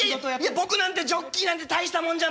僕なんてジョッキーなんて大したもんじゃないの。